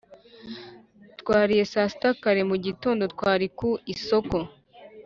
twariye saa sita kare mugihe twari ku isoko.